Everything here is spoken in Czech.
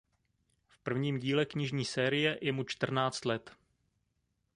V prvním díle knižní série je mu čtrnáct let.